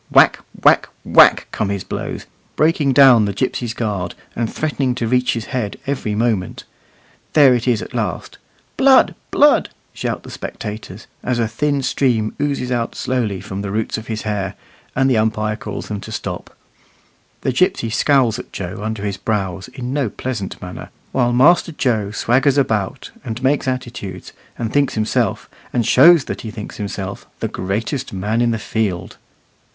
Whack, whack, whack, come his blows, breaking down the gipsy's guard, and threatening to reach his head every moment. There it is at last. "Blood, blood!" shout the spectators, as a thin stream oozes out slowly from the roots of his hair, and the umpire calls to them to stop. The gipsy scowls at Joe under his brows in no pleasant manner, while Master Joe swaggers about, and makes attitudes, and thinks himself, and shows that he thinks himself, the greatest man in the field.